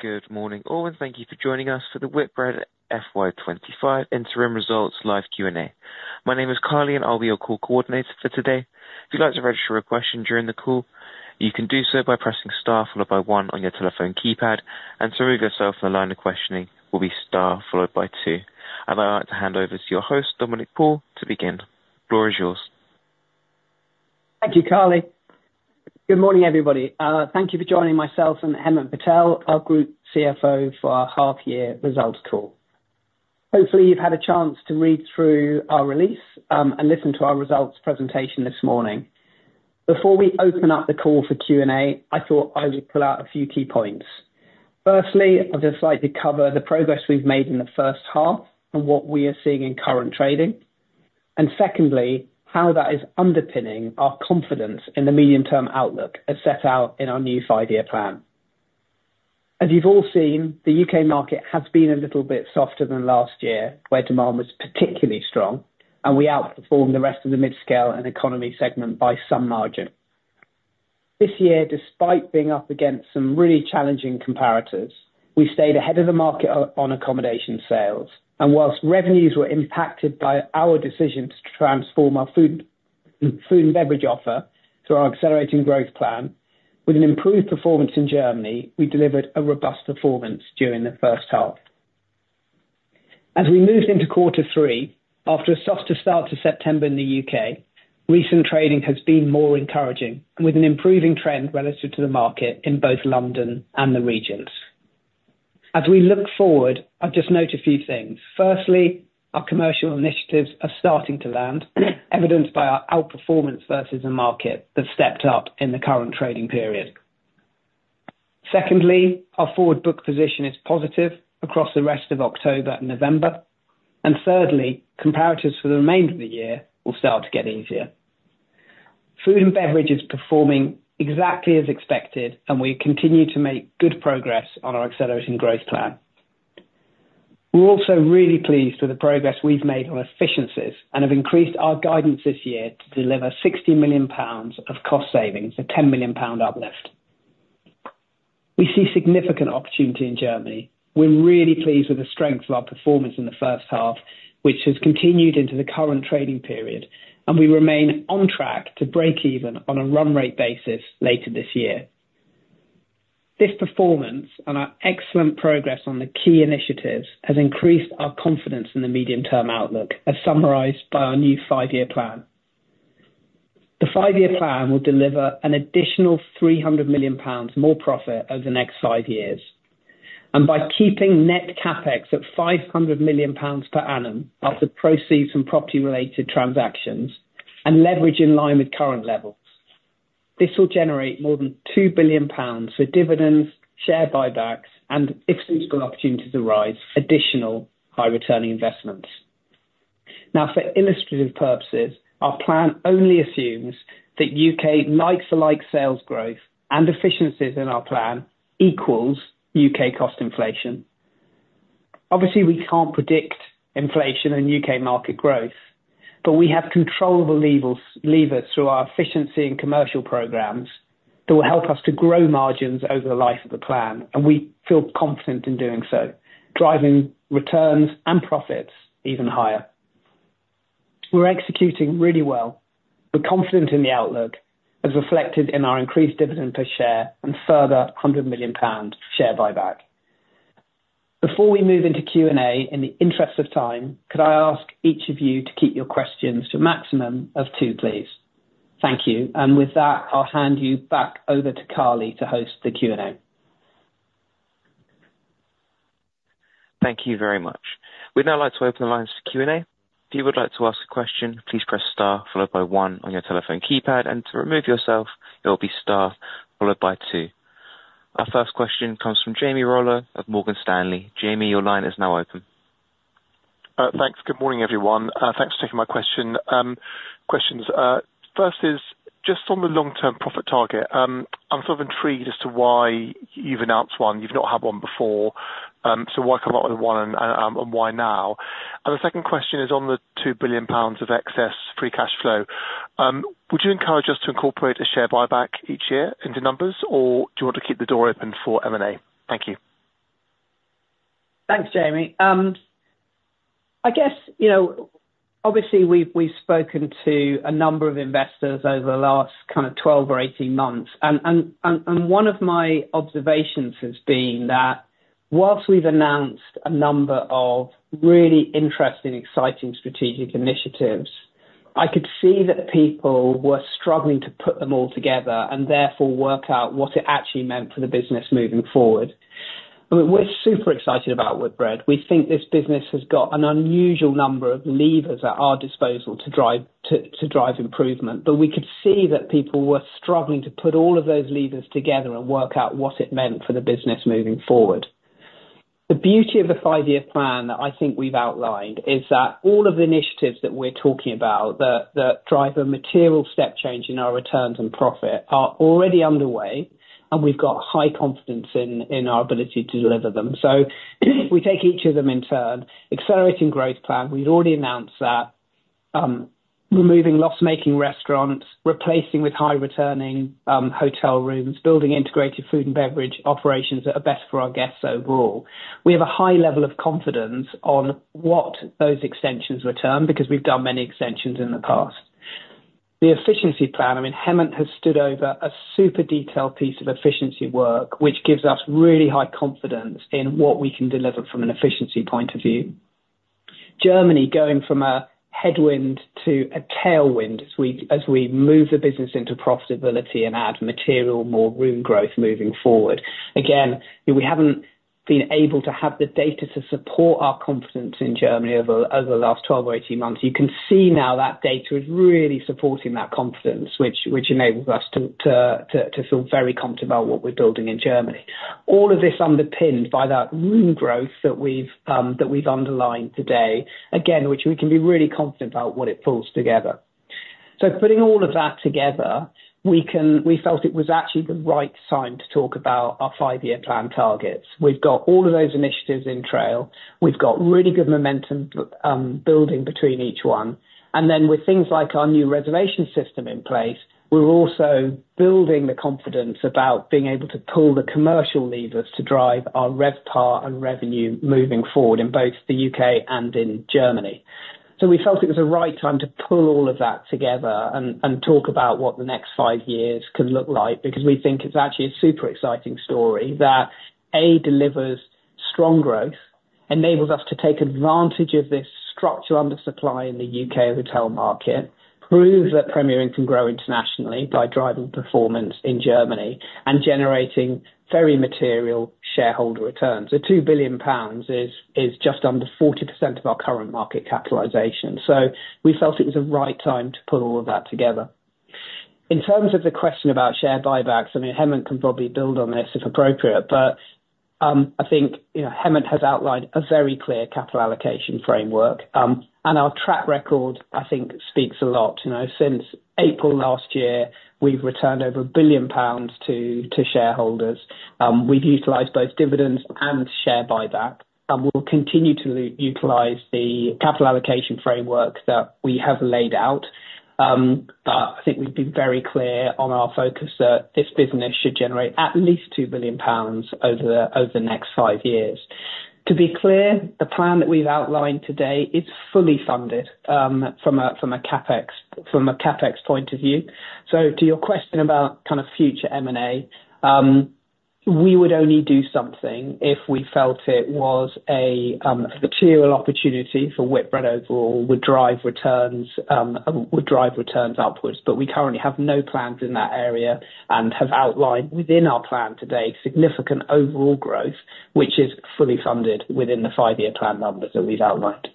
Good morning, Owen. Thank you for joining us for the Whitbread FY2025 Interim Results Live Q&A. My name is Carly, and I'll be your call coordinator for today. If you'd like to register a question during the call, you can do so by pressing star followed by one on your telephone keypad, and to remove yourself from the line of questioning, it will be star followed by two. I'd now like to hand over to your host, Dominic Paul, to begin. The floor is yours. Thank you, Carly. Good morning, everybody. Thank you for joining myself and Hemant Patel, our Group CFO, for our half-year results call. Hopefully, you've had a chance to read through our release and listen to our results presentation this morning. Before we open up the call for Q&A, I thought I would pull out a few key points. Firstly, I'd just like to cover the progress we've made in the first half and what we are seeing in current trading, and secondly, how that is underpinning our confidence in the medium-term outlook as set out in our new five-year plan. As you've all seen, the U.K. market has been a little bit softer than last year, where demand was particularly strong, and we outperformed the rest of the mid-scale and economy segment by some margin. This year, despite being up against some really challenging comparators, we stayed ahead of the market on accommodation sales, and whilst revenues were impacted by our decision to transform our food and beverage offer through our Accelerating Growth Plan, with an improved performance in Germany, we delivered a robust performance during the first half. As we moved into quarter three, after a softer start to September in the U.K., recent trading has been more encouraging, with an improving trend relative to the market in both London and the regions. As we look forward, I'd just note a few things. Firstly, our commercial initiatives are starting to land, evidenced by our outperformance versus the market that's stepped up in the current trading period. Secondly, our forward book position is positive across the rest of October and November, and thirdly, comparatives for the remainder of the year will start to get easier. Food and beverage is performing exactly as expected, and we continue to make good progress on our Accelerating Growth Plan. We're also really pleased with the progress we've made on efficiencies and have increased our guidance this year to deliver 60 million pounds of cost savings, a 10 million pound uplift. We see significant opportunity in Germany. We're really pleased with the strength of our performance in the first half, which has continued into the current trading period, and we remain on track to break even on a run rate basis later this year. This performance and our excellent progress on the key initiatives has increased our confidence in the medium-term outlook, as summarized by our new five-year plan. The five-year plan will deliver an additional 300 million pounds more profit over the next five years, and by keeping Net Capex at 500 million pounds per annum after proceeds from property-related transactions and leverage in line with current levels. This will generate more than 2 billion pounds for dividends, share buybacks, and, if suitable opportunities arise, additional high-returning investments. Now, for illustrative purposes, our plan only assumes that U.K. like-for-like sales growth and efficiencies in our plan equals U.K. cost inflation. Obviously, we can't predict inflation and U.K. market growth, but we have controllable levers through our efficiency and commercial programs that will help us to grow margins over the life of the plan, and we feel confident in doing so, driving returns and profits even higher. We're executing really well. We're confident in the outlook, as reflected in our increased dividend per share and further 100 million pound share buyback. Before we move into Q&A, in the interest of time, could I ask each of you to keep your questions to a maximum of two, please? Thank you. And with that, I'll hand you back over to Carly to host the Q&A. Thank you very much. We'd now like to open the lines to Q&A. If you would like to ask a question, please press star followed by one on your telephone keypad, and to remove yourself, it will be star followed by two. Our first question comes from Jamie Rollo of Morgan Stanley. Jamie, your line is now open. Thanks. Good morning, everyone. Thanks for taking my question. First is just on the long-term profit target. I'm sort of intrigued as to why you've announced one. You've not had one before. So why come up with one and why now? And the second question is on the 2 billion pounds of excess free cash flow. Would you encourage us to incorporate a share buyback each year into numbers, or do you want to keep the door open for M&A? Thank you. Thanks, Jamie. I guess, obviously, we've spoken to a number of investors over the last kind of 12 months or 18 months. And one of my observations has been that whilst we've announced a number of really interesting, exciting strategic initiatives, I could see that people were struggling to put them all together and therefore work out what it actually meant for the business moving forward. I mean, we're super excited about Whitbread. We think this business has got an unusual number of levers at our disposal to drive improvement, but we could see that people were struggling to put all of those levers together and work out what it meant for the business moving forward. The beauty of the five-year plan that I think we've outlined is that all of the initiatives that we're talking about that drive a material step change in our returns and profit are already underway, and we've got high confidence in our ability to deliver them. So if we take each of them in turn, Accelerating Growth Plan, we'd already announced that, removing loss-making restaurants, replacing with high-returning hotel rooms, building integrated food and beverage operations that are best for our guests overall. We have a high level of confidence on what those extensions return because we've done many extensions in the past. The efficiency plan, I mean, Hemant has stood over a super detailed piece of efficiency work, which gives us really high confidence in what we can deliver from an efficiency point of view. Germany going from a headwind to a tailwind as we move the business into profitability and add material, more room growth moving forward. Again, we haven't been able to have the data to support our confidence in Germany over the last 12 months or 18 months. You can see now that data is really supporting that confidence, which enables us to feel very confident about what we're building in Germany. All of this underpinned by that room growth that we've underlined today, again, which we can be really confident about what it pulls together. So putting all of that together, we felt it was actually the right time to talk about our five-year plan targets. We've got all of those initiatives in train. We've got really good momentum building between each one. And then with things like our new reservation system in place, we're also building the confidence about being able to pull the commercial levers to drive our RevPAR and revenue moving forward in both the U.K. and in Germany. So we felt it was the right time to pull all of that together and talk about what the next five years can look like because we think it's actually a super exciting story that, A, delivers strong growth, enables us to take advantage of this structural undersupply in the U.K. hotel market, prove that Premier Inn can grow internationally by driving performance in Germany and generating very material shareholder returns. The 2 billion pounds is just under 40% of our current market capitalization. So we felt it was the right time to pull all of that together. In terms of the question about share buybacks, I mean, Hemant can probably build on this if appropriate, but I think Hemant has outlined a very clear capital allocation framework, and our track record, I think, speaks a lot. Since April last year, we've returned over 1 billion pounds to shareholders. We've utilized both dividends and share buybacks. We'll continue to utilize the capital allocation framework that we have laid out, but I think we've been very clear on our focus that this business should generate at least 2 billion pounds over the next five years. To be clear, the plan that we've outlined today is fully funded from a CapEx point of view, so to your question about kind of future M&A, we would only do something if we felt it was a material opportunity for Whitbread overall, would drive returns upwards. But we currently have no plans in that area and have outlined within our plan today significant overall growth, which is fully funded within the five-year plan numbers that we've outlined.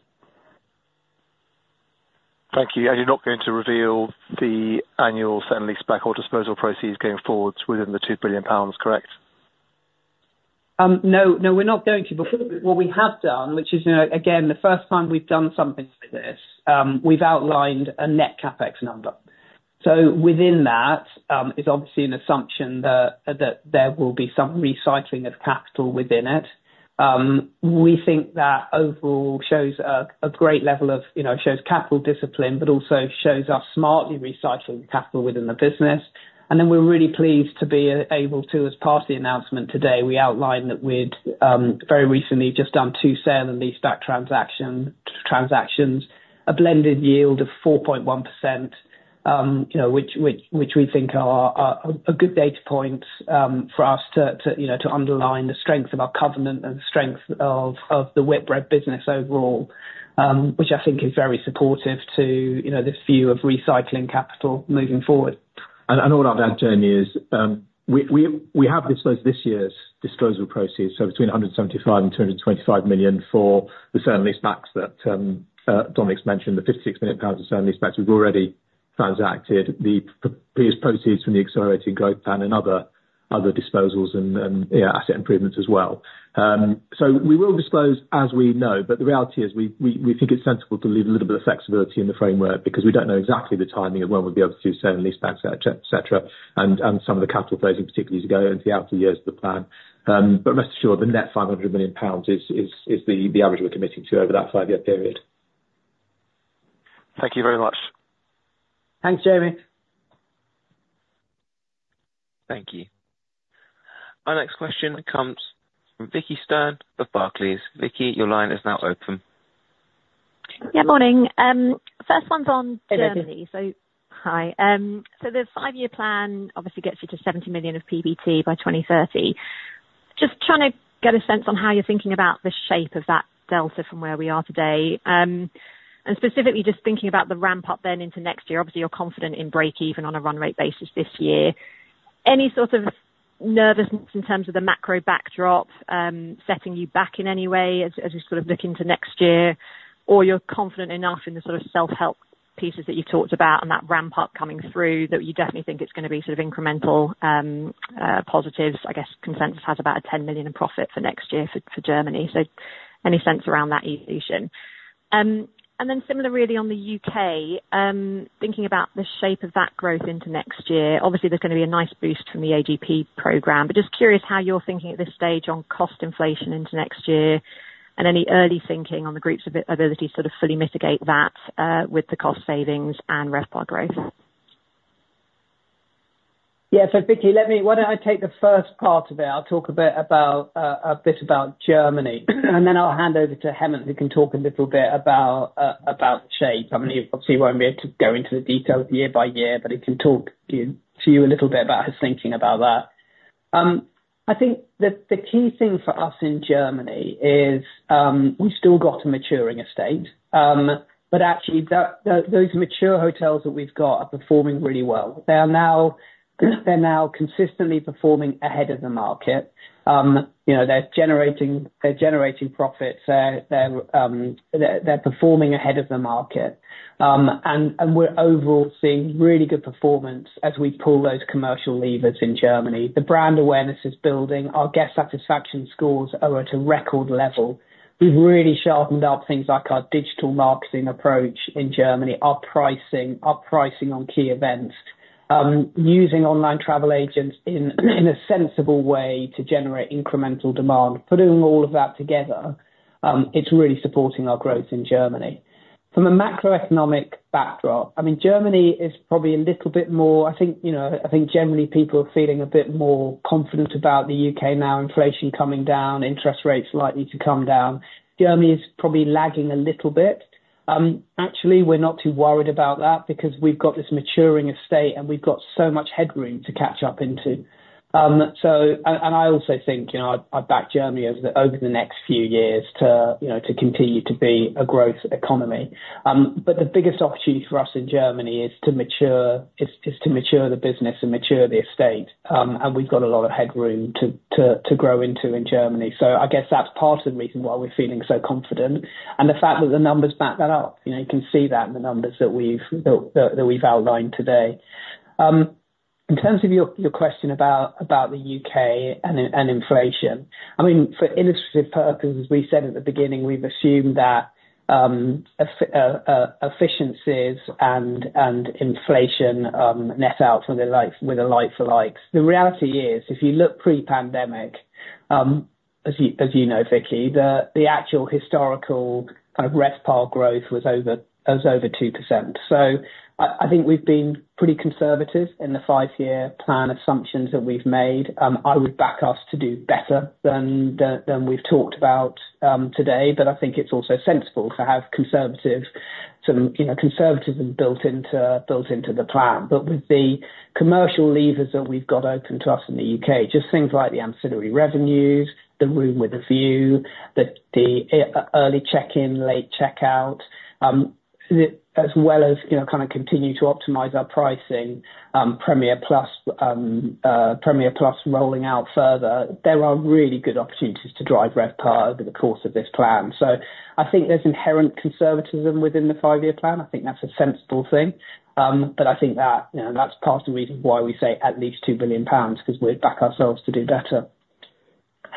Thank you. And you're not going to reveal the annual capex or disposal proceeds going forward within the 2 billion pounds, correct? No, no, we're not going to. But what we have done, which is, again, the first time we've done something like this, we've outlined a Net Capex number. So within that, it's obviously an assumption that there will be some recycling of capital within it. We think that overall shows a great level of capital discipline, but also shows us smartly recycling capital within the business. And then we're really pleased to be able to, as part of the announcement today, we outlined that we'd very recently just done two sale and lease-back transactions, a blended yield of 4.1%, which we think are good data points for us to underline the strength of our covenant and the strength of the Whitbread business overall, which I think is very supportive to this view of recycling capital moving forward. I know what I've done, Jamie, is we have disclosed this year's disposal proceeds, so between 175 million and 225 million for the sale and leasebacks that Dominic's mentioned, the 56 million pounds sale and leasebacks we've already transacted, the proceeds from the Accelerating Growth Plan and other disposals and asset improvements as well. So we will disclose as we know, but the reality is we think it's sensible to leave a little bit of flexibility in the framework because we don't know exactly the timing of when we'll be able to do sale and leasebacks, etc., and some of the capital phasing particularly as we go into the outer years of the plan. But rest assured, the net 500 million pounds is the average we're committing to over that five-year period. Thank you very much. Thanks, Jamie. Thank you. Our next question comes from Vicki Stern of Barclays. Vicki, your line is now open. Yeah, morning. First one's on Germany. Hello. So hi. So the five-year plan obviously gets you to 70 million of PBT by 2030. Just trying to get a sense on how you're thinking about the shape of that delta from where we are today. And specifically, just thinking about the ramp-up then into next year, obviously, you're confident in break-even on a run rate basis this year. Any sort of nervousness in terms of the macro backdrop setting you back in any way as we sort of look into next year? Or you're confident enough in the sort of self-help pieces that you've talked about and that ramp-up coming through that you definitely think it's going to be sort of incremental positives? I guess consensus has about a 10 million profit for next year for Germany. So any sense around that evolution? Then similar, really, on the UK, thinking about the shape of that growth into next year. Obviously, there's going to be a nice boost from the AGP program, but just curious how you're thinking at this stage on cost inflation into next year and any early thinking on the group's ability to sort of fully mitigate that with the cost savings and RevPAR growth. Yeah. So Vicki, why don't I take the first part of it? I'll talk a bit about Germany, and then I'll hand over to Hemant, who can talk a little bit about the shape. I mean, he obviously won't be able to go into the details year by year, but he can talk to you a little bit about his thinking about that. I think the key thing for us in Germany is we've still got a maturing estate, but actually, those mature hotels that we've got are performing really well. They're now consistently performing ahead of the market. They're generating profits. They're performing ahead of the market. And we're overall seeing really good performance as we pull those commercial levers in Germany. The brand awareness is building. Our guest satisfaction scores are at a record level. We've really sharpened up things like our digital marketing approach in Germany, our pricing, our pricing on key events, using online travel agents in a sensible way to generate incremental demand. Putting all of that together, it's really supporting our growth in Germany. From a macroeconomic backdrop, I mean, Germany is probably a little bit more I think generally, people are feeling a bit more confident about the UK now, inflation coming down, interest rates likely to come down. Germany is probably lagging a little bit. Actually, we're not too worried about that because we've got this maturing estate, and we've got so much headroom to catch up into, and I also think I back Germany over the next few years to continue to be a growth economy, but the biggest opportunity for us in Germany is to mature the business and mature the estate. We've got a lot of headroom to grow into in Germany. I guess that's part of the reason why we're feeling so confident and the fact that the numbers back that up. You can see that in the numbers that we've outlined today. In terms of your question about the UK and inflation, I mean, for illustrative purposes, we said at the beginning we've assumed that efficiencies and inflation net out with a like-for-likes. The reality is, if you look pre-pandemic, as you know, Vicki, the actual historical kind of RevPAR growth was over 2%. I think we've been pretty conservative in the five-year plan assumptions that we've made. I would back us to do better than we've talked about today, but I think it's also sensible to have some conservatism built into the plan. But with the commercial levers that we've got open to us in the UK, just things like the ancillary revenues, the room with a view, the early check-in, late checkout, as well as kind of continue to optimize our pricing, Premier Plus rolling out further, there are really good opportunities to drive RevPAR over the course of this plan. So I think there's inherent conservatism within the five-year plan. I think that's a sensible thing. But I think that's part of the reason why we say at least 2 billion pounds because we'd back ourselves to do better.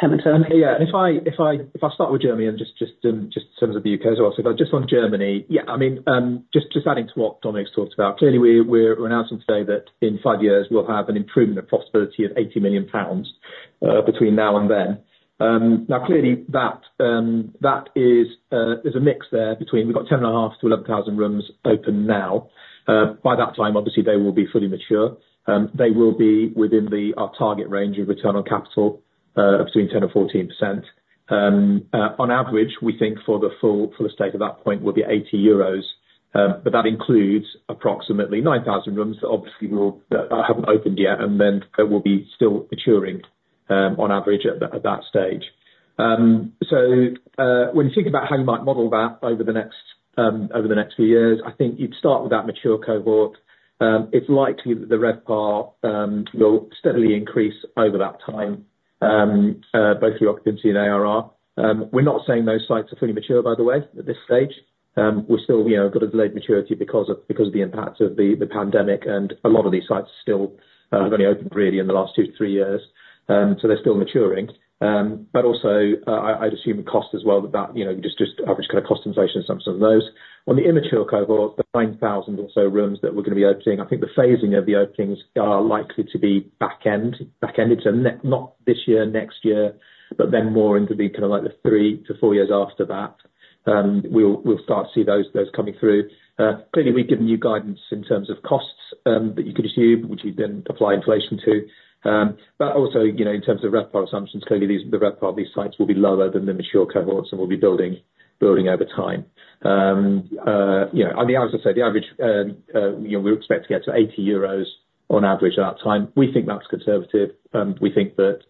Hemant? Yeah. If I start with Germany and just in terms of the UK as well, so if I just on Germany, yeah, I mean, just adding to what Dominic's talked about, clearly, we're announcing today that in five years, we'll have an improvement in profitability of 80 million pounds between now and then. Now, clearly, there's a mix there between we've got 10,500 rooms-11,000 rooms open now. By that time, obviously, they will be fully mature. They will be within our target range of return on capital of between 10% and 14%. On average, we think for the full estate at that point will be 80 euros, but that includes approximately 9,000 rooms that obviously have not opened yet and then will be still maturing on average at that stage. So when you think about how you might model that over the next few years, I think you'd start with that mature cohort. It's likely that the RevPAR will steadily increase over that time, both through occupancy and ARR. We're not saying those sites are fully mature, by the way, at this stage. We've still got a delayed maturity because of the impact of the pandemic, and a lot of these sites have only opened really in the last two to three years. So they're still maturing. But also, I'd assume cost as well, that just average kind of cost inflation assumption on those. On the immature cohort, the 9,000 or so rooms that we're going to be opening, I think the phasing of the openings are likely to be back-ended. So not this year, next year, but then more into the kind of like the three to four years after that, we'll start to see those coming through. Clearly, we've given you guidance in terms of costs that you could assume, which you then apply inflation to. But also, in terms of RevPAR assumptions, clearly, the RevPAR of these sites will be lower than the mature cohorts that we'll be building over time. As I said, the average we expect to get to 80 euros on average at that time. We think that's conservative. We think that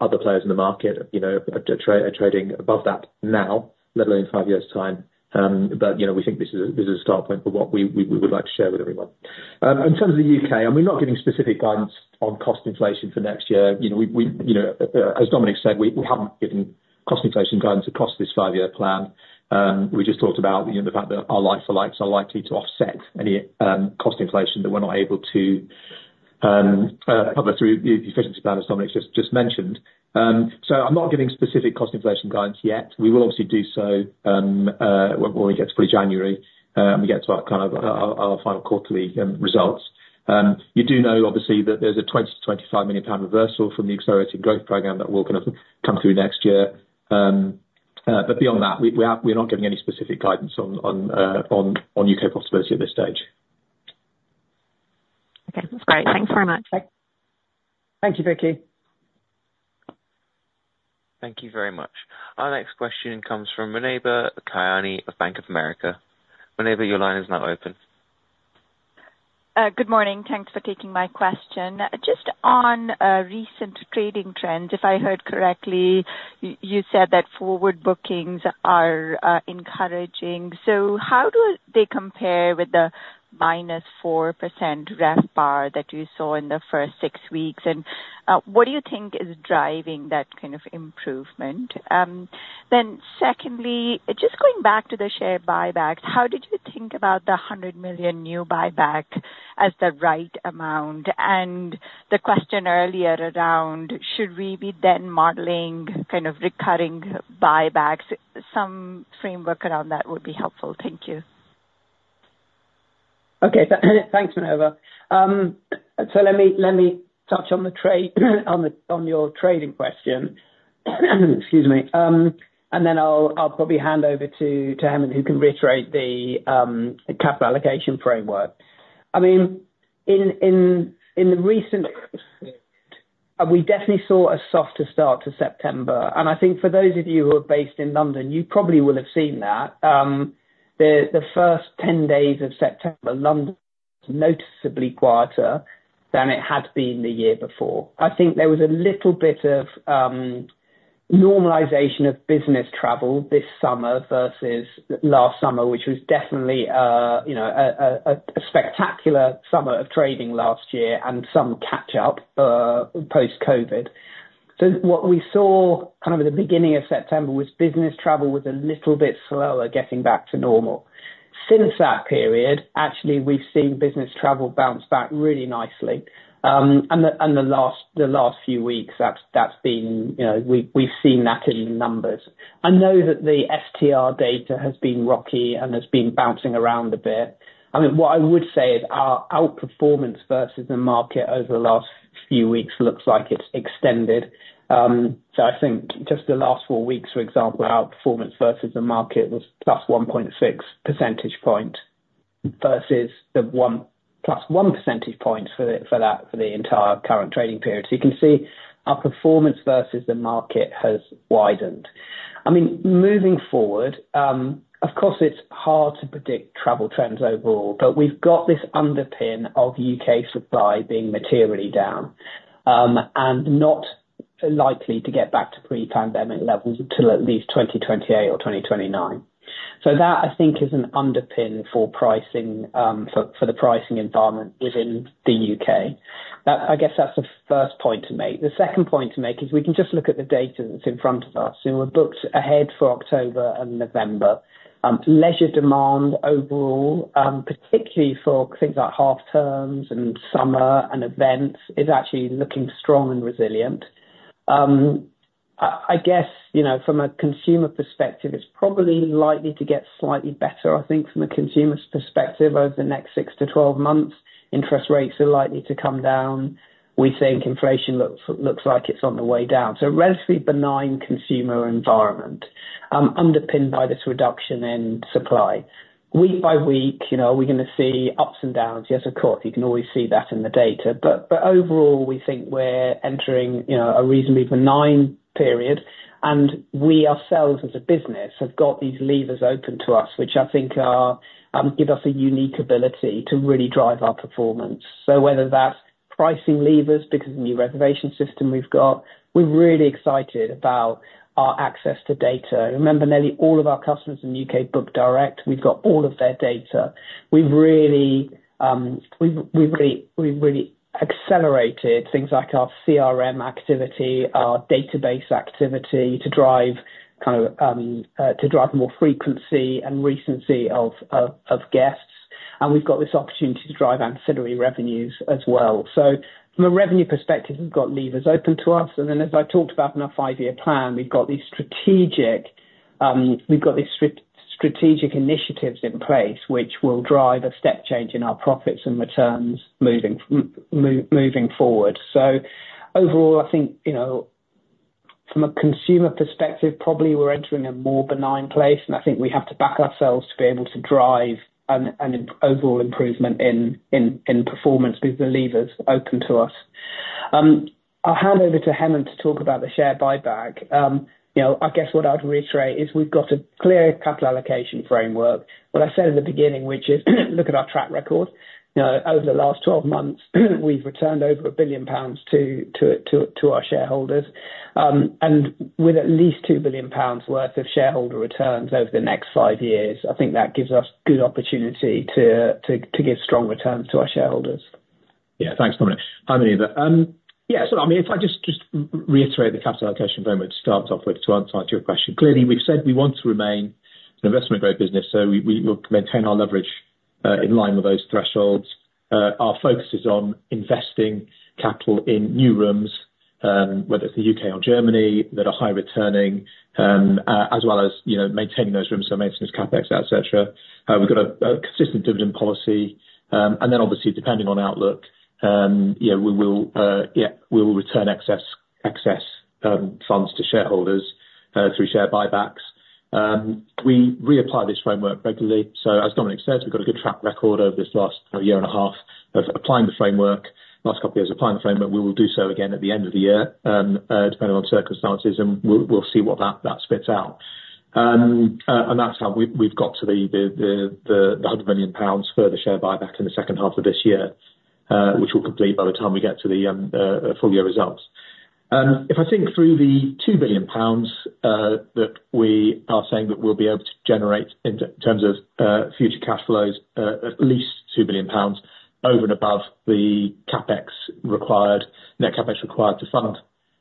other players in the market are trading above that now, let alone in five years' time. But we think this is a start point for what we would like to share with everyone. In terms of the U.K., I mean, we're not giving specific guidance on cost inflation for next year. As Dominic said, we haven't given cost inflation guidance across this five-year plan. We just talked about the fact that our like for likes are likely to offset any cost inflation that we're not able to cover through the efficiency plan, as Dominic just mentioned. So I'm not giving specific cost inflation guidance yet. We will obviously do so when we get to probably January, when we get to our kind of final quarterly results. You do know, obviously, that there's a 20 million-25 million pound reversal from the accelerated growth program that will kind of come through next year. But beyond that, we're not giving any specific guidance on UK profitability at this stage. Okay. That's great. Thanks very much. Thank you, Vicki. Thank you very much. Our next question comes from Muneeba Kayani of Bank of America. Muneeba, your line is now open. Good morning. Thanks for taking my question. Just on recent trading trends, if I heard correctly, you said that forward bookings are encouraging. So how do they compare with the -4% RevPAR that you saw in the first six weeks? And what do you think is driving that kind of improvement? Then secondly, just going back to the share buybacks, how did you think about the 100 million new buyback as the right amount? And the question earlier around, should we be then modeling kind of recurring buybacks? Some framework around that would be helpful. Thank you. Okay. Thanks, Muneeba. So let me touch on your trading question. Excuse me, and then I'll probably hand over to Hemant, who can reiterate the capital allocation framework. I mean, in the recent period, we definitely saw a softer start to September, and I think for those of you who are based in London, you probably will have seen that. The first 10 days of September, London was noticeably quieter than it had been the year before. I think there was a little bit of normalization of business travel this summer versus last summer, which was definitely a spectacular summer of trading last year and some catch-up post-COVID, so what we saw kind of at the beginning of September was business travel was a little bit slower getting back to normal. Since that period, actually, we've seen business travel bounce back really nicely. The last few weeks, we've seen that in the numbers. I know that the STR data has been rocky and has been bouncing around a bit. I mean, what I would say is our outperformance versus the market over the last few weeks looks like it's extended. I think just the last four weeks, for example, our outperformance versus the market was plus 1.6 percentage points versus the plus one percentage point for the entire current trading period. You can see our performance versus the market has widened. I mean, moving forward, of course, it's hard to predict travel trends overall, but we've got this underpin of U.K. supply being materially down and not likely to get back to pre-pandemic levels until at least 2028 or 2029. That, I think, is an underpin for the pricing environment within the U.K. I guess that's the first point to make. The second point to make is we can just look at the data that's in front of us. So we're booked ahead for October and November. Leisure demand overall, particularly for things like half-terms and summer and events, is actually looking strong and resilient. I guess from a consumer perspective, it's probably likely to get slightly better, I think, from a consumer's perspective over the next six to 12 months. Interest rates are likely to come down. We think inflation looks like it's on the way down. So a relatively benign consumer environment underpinned by this reduction in supply. Week by week, are we going to see ups and downs? Yes, of course. You can always see that in the data. But overall, we think we're entering a reasonably benign period. And we ourselves, as a business, have got these levers open to us, which I think give us a unique ability to really drive our performance. So whether that's pricing levers because of the new reservation system we've got, we're really excited about our access to data. Remember, nearly all of our customers in the UK book direct. We've got all of their data. We've really accelerated things like our CRM activity, our database activity to drive more frequency and recency of guests. And we've got this opportunity to drive ancillary revenues as well. So from a revenue perspective, we've got levers open to us. And then, as I talked about in our five-year plan, we've got these strategic initiatives in place, which will drive a step change in our profits and returns moving forward. So overall, I think from a consumer perspective, probably we're entering a more benign place. And I think we have to back ourselves to be able to drive an overall improvement in performance because the levers open to us. I'll hand over to Hemant to talk about the share buyback. I guess what I'd reiterate is we've got a clear capital allocation framework. What I said at the beginning, which is look at our track record. Over the last 12 months, we've returned over 1 billion pounds to our shareholders. And with at least 2 billion pounds worth of shareholder returns over the next five years, I think that gives us good opportunity to give strong returns to our shareholders. Yeah. Thanks, Dominic. Hi, Muneeba. Yeah. So I mean, if I just reiterate the capital allocation framework to start off with to answer your question. Clearly, we've said we want to remain an investment-grade business, so we will maintain our leverage in line with those thresholds. Our focus is on investing capital in new rooms, whether it's the U.K. or Germany that are high returning, as well as maintaining those rooms for maintenance, CapEx, etc. We've got a consistent dividend policy. And then, obviously, depending on outlook, we will return excess funds to shareholders through share buybacks. We reapply this framework regularly. So as Dominic said, we've got a good track record over this last year and a half of applying the framework. Last couple of years applying the framework. We will do so again at the end of the year, depending on circumstances, and we'll see what that spits out. And that's how we've got to the 100 million pounds for the share buyback in the second half of this year, which will complete by the time we get to the full year results. If I think through the 2 billion pounds that we are saying that we'll be able to generate in terms of future cash flows, at least 2 billion pounds over and above the Net Capex required to fund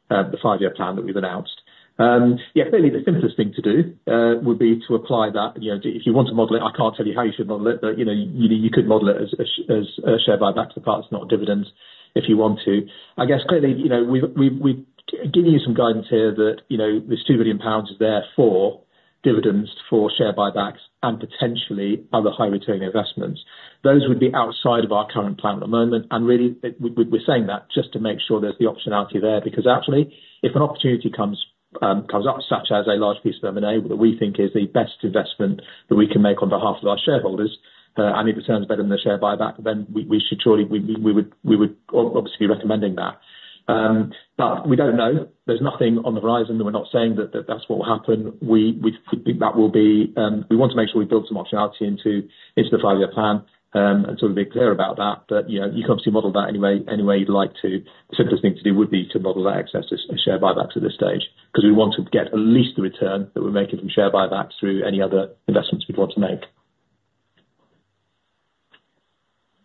the five-year plan that we've announced. Yeah, clearly, the simplest thing to do would be to apply that. If you want to model it, I can't tell you how you should model it, but you could model it as a share buyback to the part that's not dividends if you want to. I guess, clearly, we've given you some guidance here that this 2 billion pounds is there for dividends, for share buybacks, and potentially other high-returning investments. Those would be outside of our current plan at the moment, and really, we're saying that just to make sure there's the optionality there because, actually, if an opportunity comes up, such as a large piece of M&A that we think is the best investment that we can make on behalf of our shareholders, and it returns better than the share buyback, then we should surely be obviously recommending that. But we don't know. There's nothing on the horizon. We're not saying that that's what will happen. We think that will be we want to make sure we build some optionality into the five-year plan and sort of be clear about that, but you can obviously model that any way you'd like to. The simplest thing to do would be to model that excess as share buybacks at this stage because we want to get at least the return that we're making from share buybacks through any other investments we'd want to make.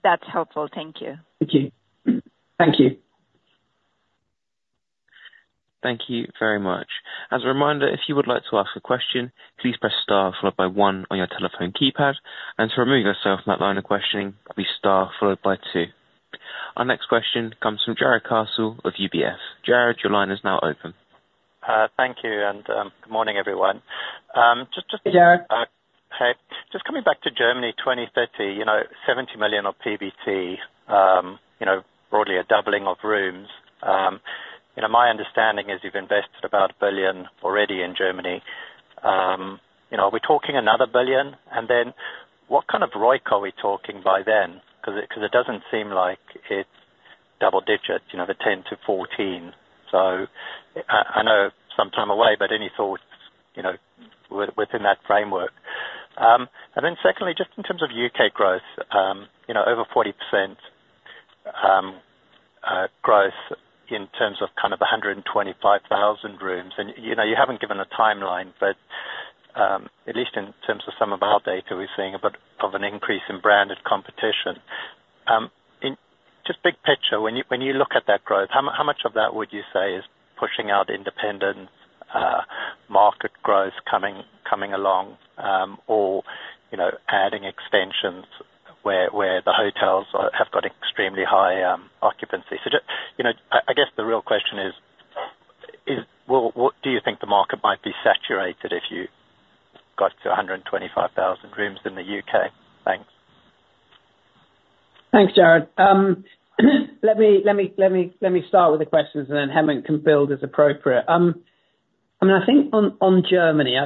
That's helpful. Thank you. Thank you. Thank you. Thank you very much. As a reminder, if you would like to ask a question, please press star followed by one on your telephone keypad. And to remove yourself from that line of questioning, press star followed by two. Our next question comes from Jarrod Castle of UBS. Jared, your line is now open. Thank you. And good morning, everyone. Hey, Jarrod. Hey. Just coming back to Germany 2030, 70 million of PBT, broadly a doubling of rooms. My understanding is you've invested about 1 billion already in Germany. Are we talking another 1 billion? And then what kind of ROIC are we talking by then? Because it doesn't seem like it's double-digits, the 10%-14%. So I know some time away, but any thoughts within that framework? And then secondly, just in terms of U.K. growth, over 40% growth in terms of kind of 125,000 rooms. And you haven't given a timeline, but at least in terms of some of our data, we're seeing a bit of an increase in branded competition. Just big picture, when you look at that growth, how much of that would you say is pushing out independent market growth coming along or adding extensions where the hotels have got extremely high occupancy? So I guess the real question is, what do you think the market might be saturated if you got to 125,000 rooms in the U.K.? Thanks. Thanks, Jared. Let me start with the questions, and then Hemant can build as appropriate. I mean, I think on Germany,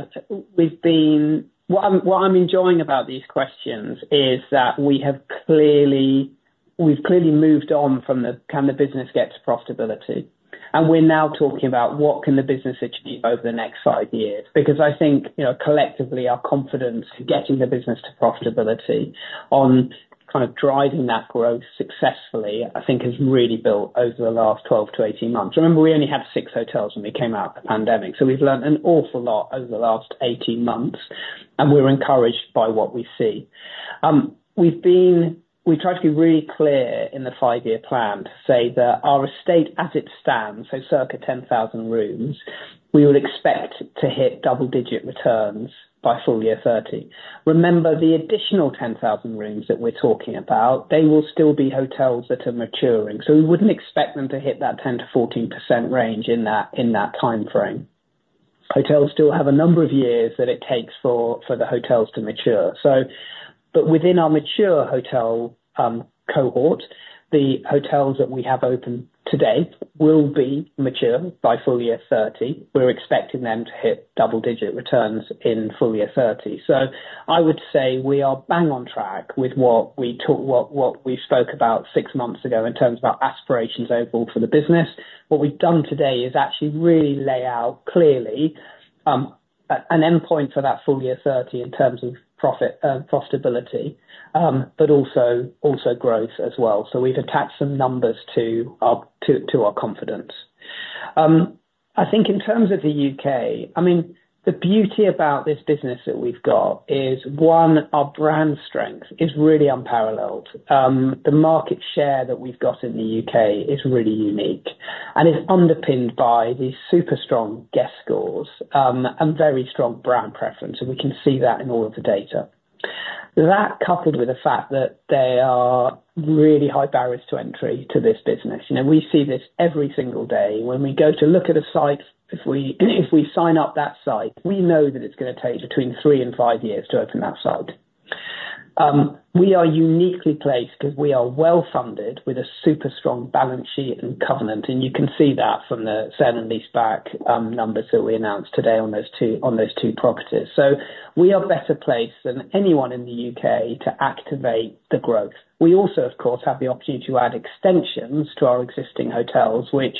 what I'm enjoying about these questions is that we've clearly moved on from the can the business get to profitability, and we're now talking about what can the business achieve over the next five years? Because I think collectively, our confidence in getting the business to profitability on kind of driving that growth successfully, I think, has really built over the last 12 months-18 months. Remember, we only had six hotels when we came out of the pandemic, so we've learned an awful lot over the last 18 months, and we're encouraged by what we see. We've tried to be really clear in the five-year plan to say that our estate as it stands, so circa 10,000 rooms, we would expect to hit double-digit returns by full year 30. Remember, the additional 10,000 rooms that we're talking about, they will still be hotels that are maturing. So we wouldn't expect them to hit that 10%-14% range in that time frame. Hotels still have a number of years that it takes for the hotels to mature. But within our mature hotel cohort, the hotels that we have open today will be mature by full year 2030. We're expecting them to hit double-digit returns in full year 2030. So I would say we are bang on track with what we spoke about six months ago in terms of our aspirations overall for the business. What we've done today is actually really lay out clearly an endpoint for that full year 2030 in terms of profitability, but also growth as well. So we've attached some numbers to our confidence. I think in terms of the UK, I mean, the beauty about this business that we've got is, one, our brand strength is really unparalleled. The market share that we've got in the UK is really unique. And it's underpinned by these super strong guest scores and very strong brand preference. And we can see that in all of the data. That coupled with the fact that they are really high barriers to entry to this business. We see this every single day. When we go to look at a site, if we sign up that site, we know that it's going to take between three and five years to open that site. We are uniquely placed because we are well funded with a super strong balance sheet and covenant. And you can see that from the sale and lease-back numbers that we announced today on those two properties. So we are better placed than anyone in the U.K. to activate the growth. We also, of course, have the opportunity to add extensions to our existing hotels, which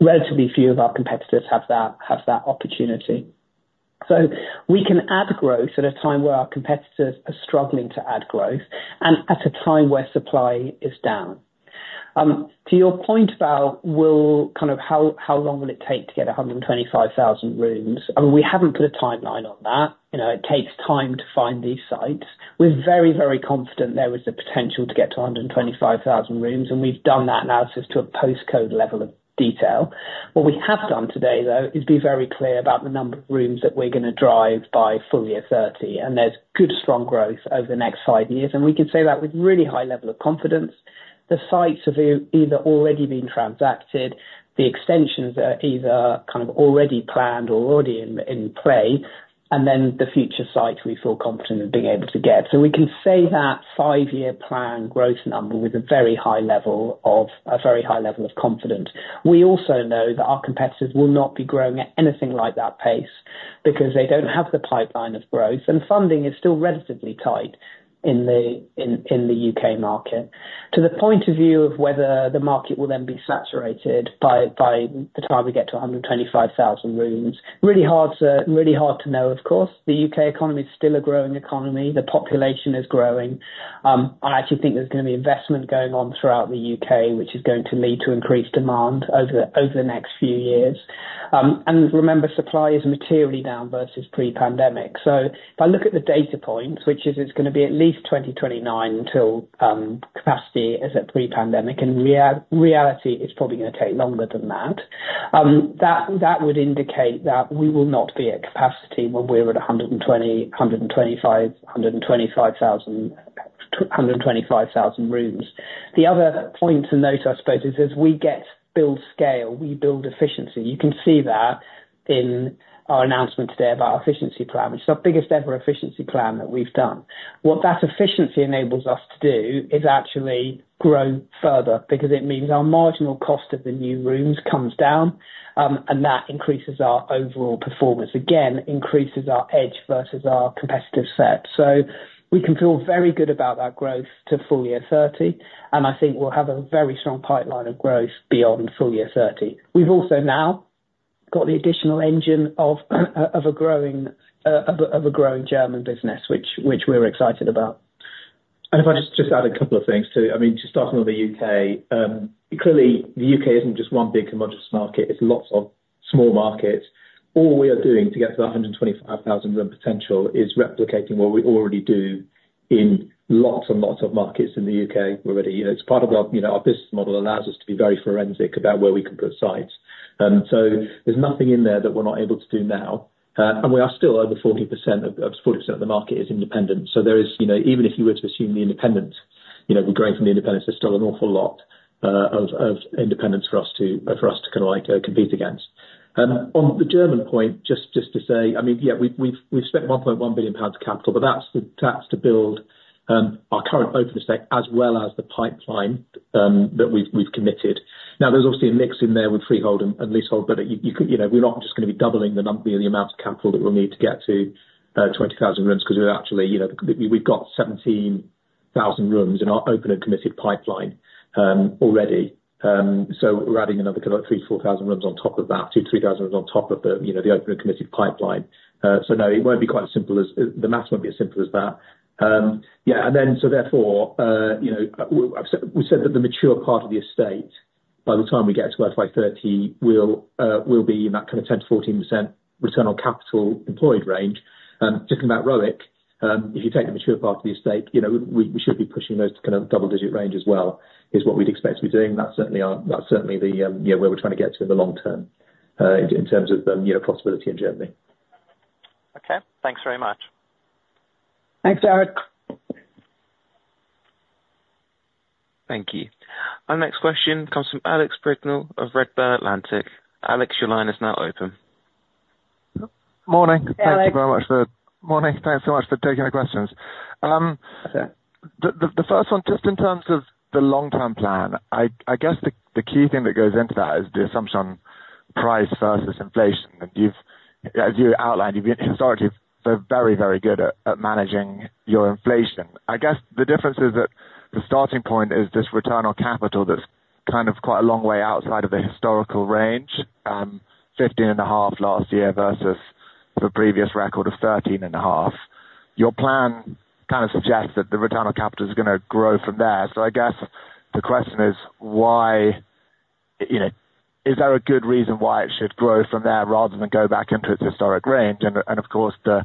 relatively few of our competitors have that opportunity. So we can add growth at a time where our competitors are struggling to add growth and at a time where supply is down. To your point about kind of how long will it take to get 125,000 rooms, I mean, we haven't put a timeline on that. It takes time to find these sites. We're very, very confident there is a potential to get to 125,000 rooms, and we've done that analysis to a postcode level of detail. What we have done today, though, is be very clear about the number of rooms that we're going to drive by full year 2030, and there's good strong growth over the next five years, and we can say that with really high level of confidence. The sites have either already been transacted, the extensions are either kind of already planned or already in play, and then the future sites we feel confident in being able to get, so we can say that five-year plan growth number with a very high level of confidence. We also know that our competitors will not be growing at anything like that pace because they don't have the pipeline of growth, and funding is still relatively tight in the U.K. market. To the point of view of whether the market will then be saturated by the time we get to 125,000 rooms, really hard to know, of course. The U.K. economy is still a growing economy. The population is growing. I actually think there's going to be investment going on throughout the U.K., which is going to lead to increased demand over the next few years. And remember, supply is materially down versus pre-pandemic. So if I look at the data points, which is it's going to be at least 2029 until capacity is at pre-pandemic, and reality is probably going to take longer than that, that would indicate that we will not be at capacity when we're at, 125,000 rooms. The other point to note, I suppose, is as we build scale, we build efficiency. You can see that in our announcement today about our efficiency plan, which is our biggest ever efficiency plan that we've done. What that efficiency enables us to do is actually grow further because it means our marginal cost of the new rooms comes down, and that increases our overall performance, again, increases our edge versus our competitive set, so we can feel very good about that growth to full year 2030, and I think we'll have a very strong pipeline of growth beyond full year 2030. We've also now got the additional engine of a growing German business, which we're excited about. And if I just add a couple of things too. I mean, just starting with the UK, clearly, the UK isn't just one big homogeneous market. It's lots of small markets. All we are doing to get to that 125,000 room potential is replicating what we already do in lots and lots of markets in the UK already. It's part of our business model allows us to be very forensic about where we can put sites. So there's nothing in there that we're not able to do now. And we are still over 40% of the market is independent. So even if you were to assume the independents, we're growing from the independents. There's still an awful lot of independents for us to kind of compete against. On the German point, just to say, I mean, yeah, we've spent 1.1 billion pounds of capital, but that's to build our current open estate as well as the pipeline that we've committed. Now, there's obviously a mix in there with freehold and leasehold, but we're not just going to be doubling the amount of capital that we'll need to get to 20,000 rooms because we've got 17,000 rooms in our open and committed pipeline already. So we're adding another 3,000 rooms-4,000 rooms on top of that, 2,000 rooms-3,000 rooms on top of the open and committed pipeline. So no, it won't be quite as simple as the math won't be as simple as that. Yeah. And then so therefore, we said that the mature part of the estate, by the time we get to about 2030, we'll be in that kind of 10%-14% return on capital employed range. Just thinking about ROIC, if you take the mature part of the estate, we should be pushing those to kind of double-digit range as well is what we'd expect to be doing. That's certainly where we're trying to get to in the long term in terms of the profitability in Germany. Okay. Thanks very much. Thanks, Jarrod. Thank you. Our next question comes from Alex Brignall of Redburn Atlantic. Alex, your line is now open. morning. Thank you very much this morning. Thanks so much for taking my questions. The first one, just in terms of the long-term plan, I guess the key thing that goes into that is the assumption on price versus inflation. And as you outlined, you've been historically very, very good at managing your inflation. I guess the difference is that the starting point is this return on capital that's kind of quite a long way outside of the historical range, 15.5% last year versus the previous record of 13.5%. Your plan kind of suggests that the return on capital is going to grow from there. So I guess the question is, is there a good reason why it should grow from there rather than go back into its historic range? Of course, the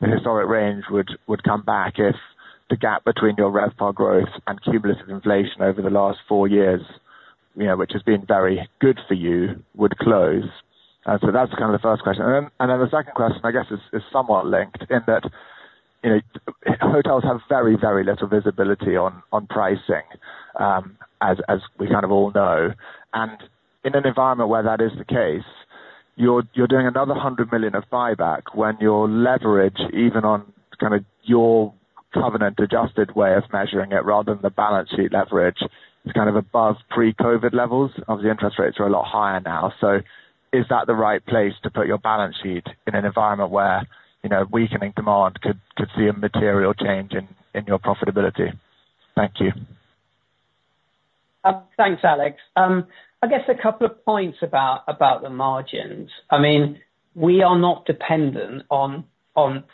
historic range would come back if the gap between your RevPAR growth and cumulative inflation over the last four years, which has been very good for you, would close. So that's kind of the first question. Then the second question, I guess, is somewhat linked in that hotels have very, very little visibility on pricing, as we kind of all know. And in an environment where that is the case, you're doing another 100 million of buyback when your leverage, even on kind of your covenant-adjusted way of measuring it rather than the balance sheet leverage, is kind of above pre-COVID levels. Obviously, interest rates are a lot higher now. So is that the right place to put your balance sheet in an environment where weakening demand could see a material change in your profitability? Thank you. Thanks, Alex. I guess a couple of points about the margins. I mean, we are not dependent on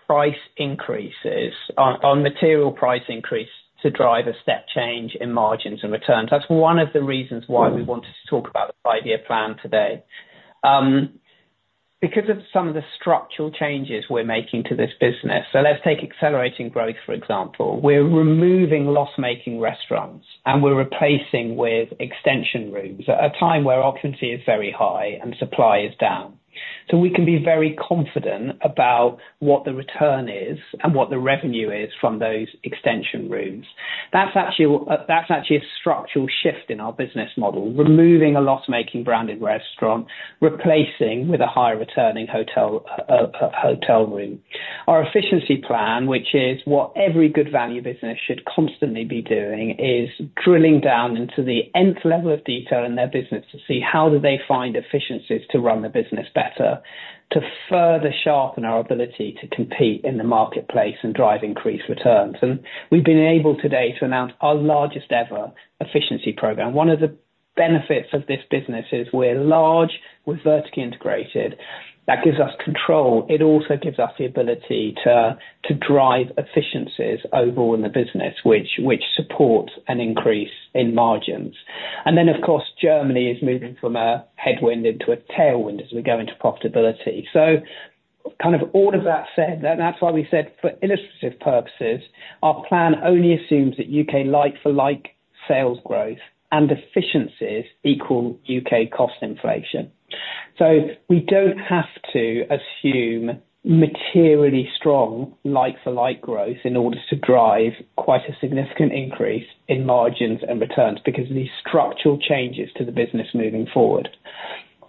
price increases, on material price increase to drive a step change in margins and returns. That's one of the reasons why we wanted to talk about the five-year plan today. Because of some of the structural changes we're making to this business, so let's take accelerating growth, for example. We're removing loss-making restaurants, and we're replacing with extension rooms at a time where occupancy is very high and supply is down. So we can be very confident about what the return is and what the revenue is from those extension rooms. That's actually a structural shift in our business model, removing a loss-making branded restaurant, replacing with a high-returning hotel room. Our efficiency plan, which is what every good value business should constantly be doing, is drilling down into the nth level of detail in their business to see how do they find efficiencies to run the business better to further sharpen our ability to compete in the marketplace and drive increased returns, and we've been able today to announce our largest ever efficiency program. One of the benefits of this business is we're large, we're vertically integrated. That gives us control. It also gives us the ability to drive efficiencies overall in the business, which supports an increase in margins, and then, of course, Germany is moving from a headwind into a tailwind as we go into profitability, so kind of all of that said, and that's why we said for illustrative purposes, our plan only assumes that U.K. like-for-like sales growth and efficiencies equal U.K. cost inflation. So we don't have to assume materially strong like-for-like growth in order to drive quite a significant increase in margins and returns because of these structural changes to the business moving forward.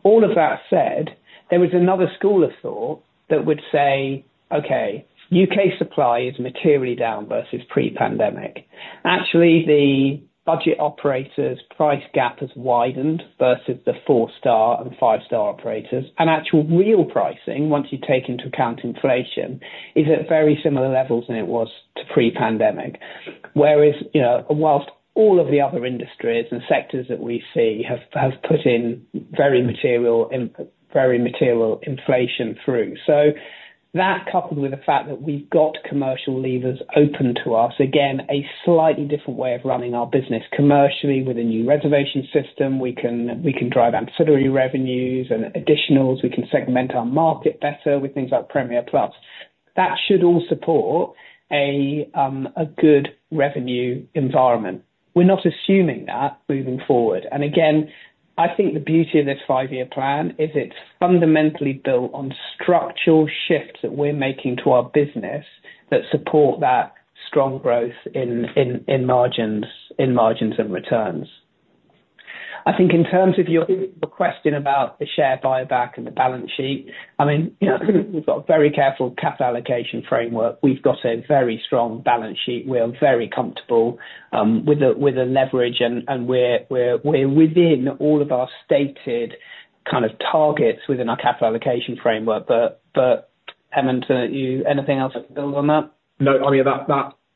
All of that said, there was another school of thought that would say, "Okay, U.K. supply is materially down versus pre-pandemic." Actually, the budget operators' price gap has widened versus the four-star and five-star operators. And actual real pricing, once you take into account inflation, is at very similar levels than it was to pre-pandemic. Whereas while all of the other industries and sectors that we see have put in very material inflation through. So that coupled with the fact that we've got commercial levers open to us, again, a slightly different way of running our business commercially with a new reservation system. We can drive ancillary revenues and additionals. We can segment our market better with things like Premier Plus. That should all support a good revenue environment. We're not assuming that moving forward. And again, I think the beauty of this five-year plan is it's fundamentally built on structural shifts that we're making to our business that support that strong growth in margins and returns. I think in terms of your question about the share buyback and the balance sheet, I mean, we've got a very careful capital allocation framework. We've got a very strong balance sheet. We're very comfortable with the leverage, and we're within all of our stated kind of targets within our capital allocation framework. But Hemant, anything else to build on that? No. I mean,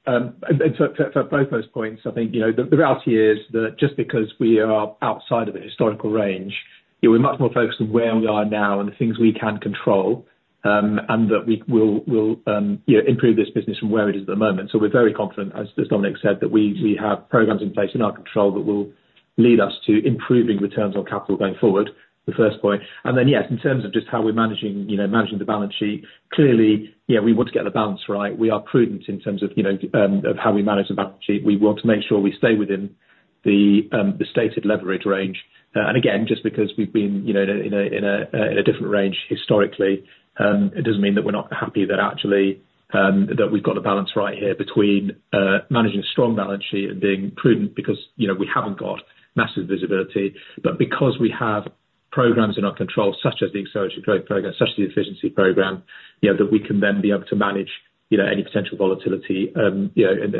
for both those points, I think the reality is that just because we are outside of the historical range, we're much more focused on where we are now and the things we can control and that we will improve this business from where it is at the moment. So we're very confident, as Dominic said, that we have programs in place in our control that will lead us to improving returns on capital going forward, the first point. And then, yes, in terms of just how we're managing the balance sheet, clearly, yeah, we want to get the balance right. We are prudent in terms of how we manage the balance sheet. We want to make sure we stay within the stated leverage range. And again, just because we've been in a different range historically, it doesn't mean that we're not happy that actually that we've got a balance right here between managing a strong balance sheet and being prudent because we haven't got massive visibility. But because we have programs in our control, such as the acceleration growth program, such as the efficiency program, that we can then be able to manage any potential volatility in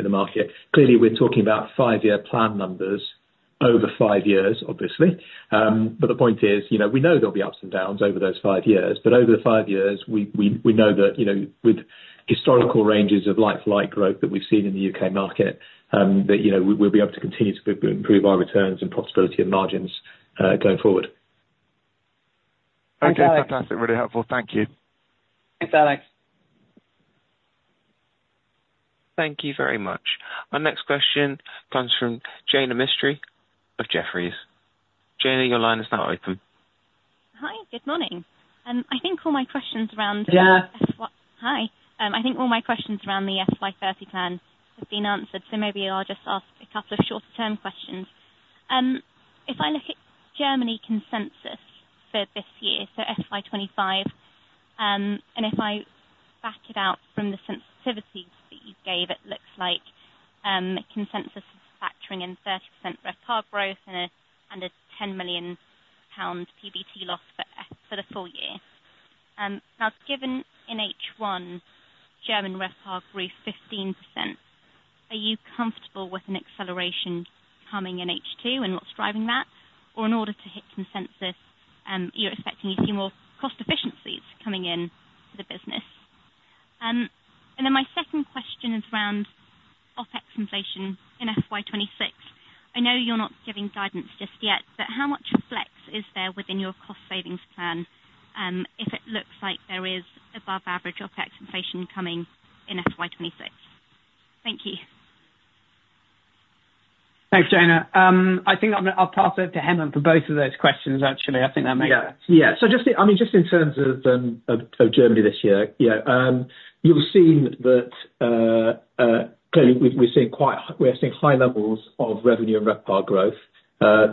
the market. Clearly, we're talking about five-year plan numbers over five years, obviously. But the point is we know there'll be ups and downs over those five years. But over the five years, we know that with historical ranges of like-for-like growth that we've seen in the U.K. market, that we'll be able to continue to improve our returns and profitability and margins going forward. Okay. Fantastic. Really helpful. Thank you. Thanks, Alex. Thank you very much. Our next question comes from Jaina Mistry of Jefferies. Jaina, your line is now open. Hi. Good morning. I think all my questions around the FY. Yeah. Hi. I think all my questions around the FY 2030 plan have been answered. So maybe I'll just ask a couple of shorter-term questions. If I look at Germany consensus for this year, so FY 2025, and if I back it out from the sensitivities that you gave, it looks like consensus is factoring in 30% RevPAR growth and a 10 million pound PBT loss for the full year. Now, given in H1, German RevPAR grew 15%, are you comfortable with an acceleration coming in H2 and what's driving that? Or in order to hit consensus, you're expecting a few more cost efficiencies coming into the business. And then my second question is around OpEx inflation in FY 2026. I know you're not giving guidance just yet, but how much flex is there within your cost savings plan if it looks like there is above-average OpEx inflation coming in FY 2026? Thank you. Thanks, Jaina. I think I'll pass it to Hemant for both of those questions, actually. I think that makes sense. Yeah. Yeah. So I mean, just in terms of Germany this year, you've seen that clearly we're seeing high levels of revenue and RevPAR growth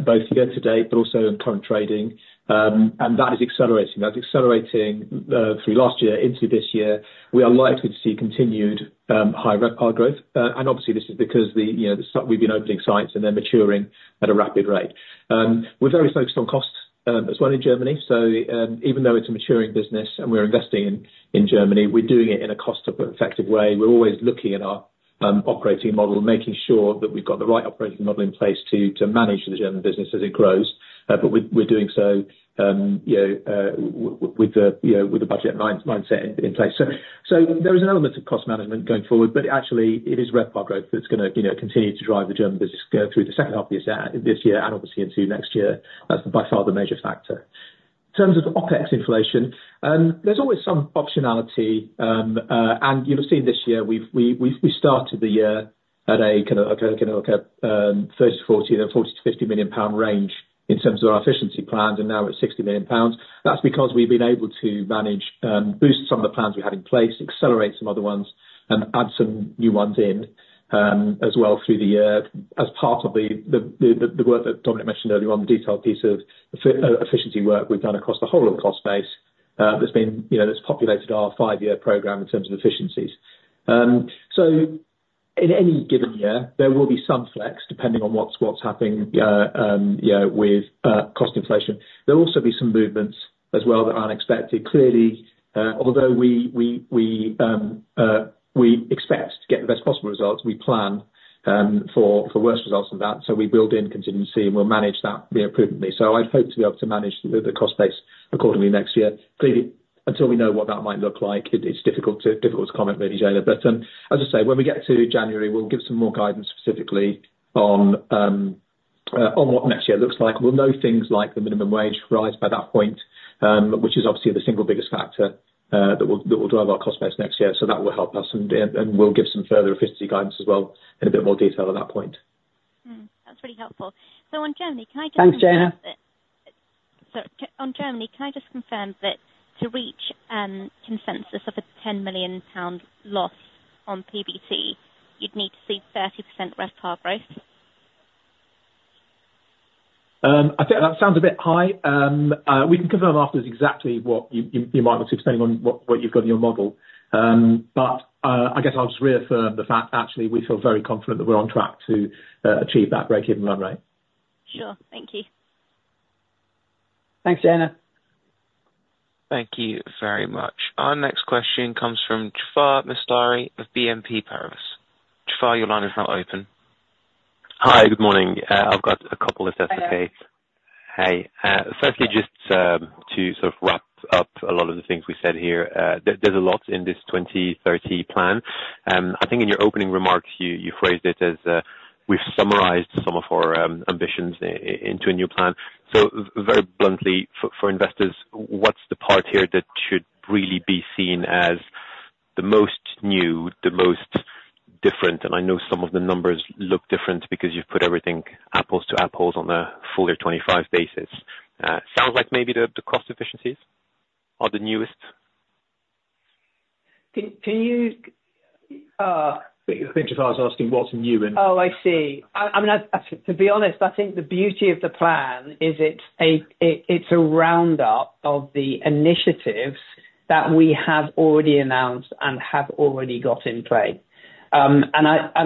both year to date, but also in current trading. And that is accelerating. That's accelerating through last year into this year. We are likely to see continued high RevPAR growth. And obviously, this is because we've been opening sites and they're maturing at a rapid rate. We're very focused on cost as well in Germany. So even though it's a maturing business and we're investing in Germany, we're doing it in a cost-effective way. We're always looking at our operating model, making sure that we've got the right operating model in place to manage the German business as it grows. But we're doing so with the budget mindset in place. There is an element of cost management going forward, but actually, it is RevPAR growth that's going to continue to drive the German business through the second half of this year and obviously into next year. That's by far the major factor. In terms of OpEx inflation, there's always some optionality. And you've seen this year, we started the year at a kind of 30 million-40 million, then 40 million-50 million pound range in terms of our efficiency plan, and now it's 60 million pounds. That's because we've been able to manage, boost some of the plans we had in place, accelerate some other ones, and add some new ones in as well through, as part of the work that Dominic mentioned earlier on, the detailed piece of efficiency work we've done across the whole of the cost base that's populated our five-year program in terms of efficiencies. So in any given year, there will be some flex depending on what's happening with cost inflation. There'll also be some movements as well that aren't expected. Clearly, although we expect to get the best possible results, we plan for worse results than that. So we build in contingency and we'll manage that prudently. So I'd hope to be able to manage the cost base accordingly next year. Clearly, until we know what that might look like, it's difficult to comment really, Jaina. But as I say, when we get to January, we'll give some more guidance specifically on what next year looks like. We'll know things like the minimum wage rise by that point, which is obviously the single biggest factor that will drive our cost base next year. So that will help us, and we'll give some further efficiency guidance as well in a bit more detail at that point. That's really helpful. So on Germany, can I just. Thanks, Jaina. Sorry. On Germany, can I just confirm that to reach consensus of a 10 million pound loss on PBT, you'd need to see 30% RevPAR growth? That sounds a bit high. We can confirm afterwards exactly what you might be expecting on what you've got in your model. But I guess I'll just reaffirm the fact that actually we feel very confident that we're on track to achieve that break-even run rate. Sure. Thank you. Thanks, Jaina. Thank you very much. Our next question comes from Jaafar Mestari of BNP Paribas. Jaafar, your line is now open. Hi. Good morning. I've got a couple of sets of tapes. Hi. Hi. Firstly, just to sort of wrap up a lot of the things we said here, there's a lot in this 2030 plan. I think in your opening remarks, you phrased it as we've summarized some of our ambitions into a new plan. So very bluntly, for investors, what's the part here that should really be seen as the most new, the most different? And I know some of the numbers look different because you've put everything apples to apples on a full year 2025 basis. Sounds like maybe the cost efficiencies are the newest. Jaafar's asking what's new and. Oh, I see. I mean, to be honest, I think the beauty of the plan is it's a roundup of the initiatives that we have already announced and have already got in place. And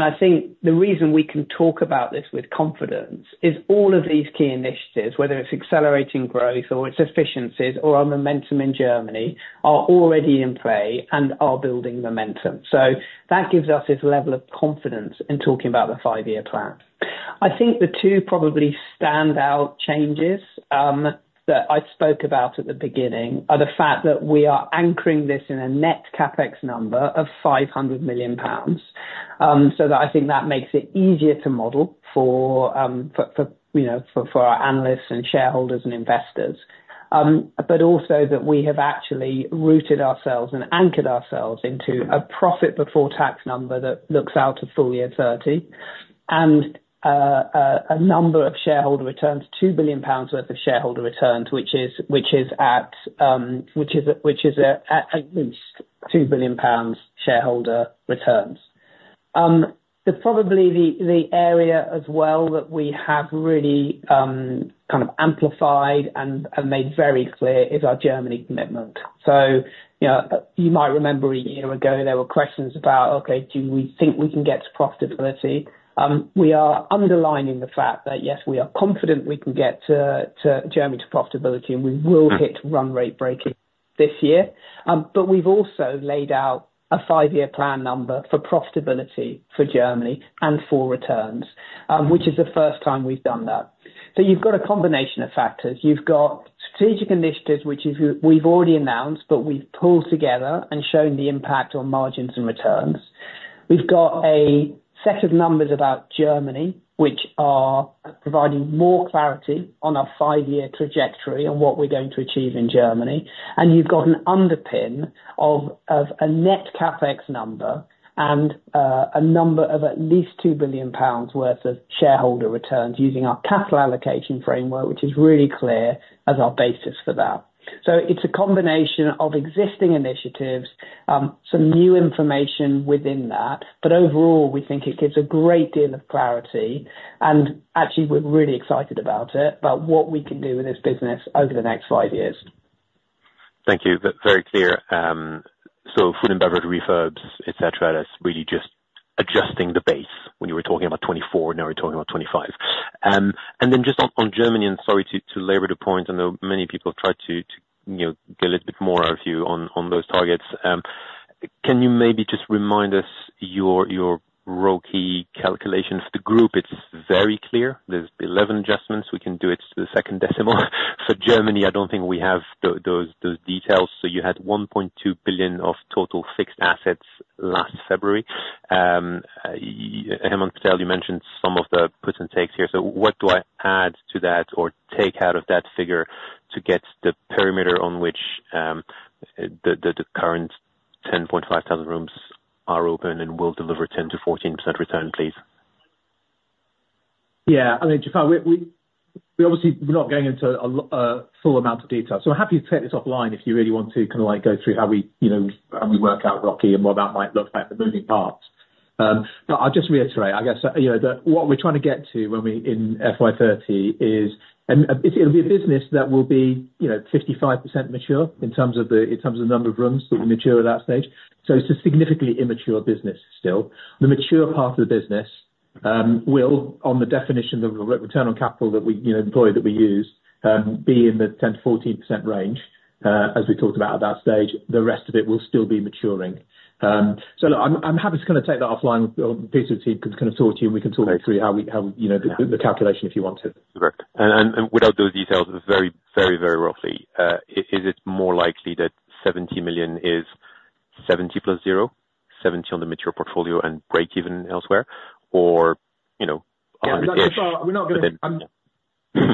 I think the reason we can talk about this with confidence is all of these key initiatives, whether it's accelerating growth or it's efficiencies or our momentum in Germany, are already in play and are building momentum. So that gives us this level of confidence in talking about the five-year plan. I think the two probably standout changes that I spoke about at the beginning are the fact that we are anchoring this in a Net Capex number of 500 million pounds. So I think that makes it easier to model for our analysts and shareholders and investors. But also that we have actually rooted ourselves and anchored ourselves into a profit before tax number that looks out of full year 2030 and a number of shareholder returns, 2 billion pounds worth of shareholder returns, which is at least 2 billion pounds shareholder returns. Probably the area as well that we have really kind of amplified and made very clear is our Germany commitment. So you might remember a year ago, there were questions about, "Okay, do we think we can get to profitability?" We are underlining the fact that, yes, we are confident we can get Germany to profitability and we will hit run rate breaking this year. But we've also laid out a five-year plan number for profitability for Germany and for returns, which is the first time we've done that. So you've got a combination of factors. You've got strategic initiatives, which we've already announced, but we've pulled together and shown the impact on margins and returns. We've got a set of numbers about Germany, which are providing more clarity on our five-year trajectory and what we're going to achieve in Germany. And you've got an underpin of a Net Capex number and a number of at least 2 billion pounds worth of shareholder returns using our Capital Allocation Framework, which is really clear as our basis for that. So it's a combination of existing initiatives, some new information within that. But overall, we think it gives a great deal of clarity. And actually, we're really excited about it, about what we can do with this business over the next five years. Thank you. Very clear, so food and beverage refurbs, etc., that's really just adjusting the base when you were talking about 2024, now we're talking about 2025. And then just on Germany, and sorry to labor the point, I know many people have tried to get a little bit more out of you on those targets. Can you maybe just remind us your roguey calculation? For the group, it's very clear. There's 11 adjustments. We can do it to the second decimal. For Germany, I don't think we have those details, so you had 1.2 billion of total fixed assets last February. Hemant Patel, you mentioned some of the puts and takes here. So what do I add to that or take out of that figure to get the perimeter on which the current 10.5 thousand rooms are open and will deliver 10%-14% return, please? Yeah. I mean, Jafar, we're obviously not going into a full amount of detail. So I'm happy to take this offline if you really want to kind of go through how we work out Rocky and what that might look like, the moving parts. But I'll just reiterate, I guess, that what we're trying to get to when we in FY30 is it'll be a business that will be 55% mature in terms of the number of rooms that will mature at that stage. So it's a significantly immature business still. The mature part of the business will, on the definition of return on capital that we employ that we use, be in the 10%-14% range as we talked about at that stage. The rest of it will still be maturing. So I'm happy to kind of take that offline with a piece of the team to kind of talk to you, and we can talk through the calculation if you want to. Correct. And without those details, very, very roughly, is it more likely that 70 million is 70 million plus 0, 70 million on the mature portfolio and break-even elsewhere, or GBP 100 million? No, Jaafar, we're not going to. Yeah.